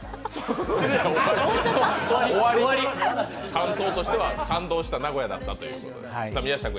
感想としては感動した、名古屋だったと。